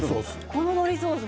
こののりソース